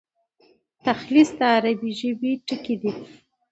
تلخیص د عربي ژبي ټکی دﺉ.